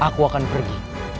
aku akan pergi